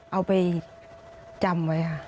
เอาไปจำไว้ค่ะ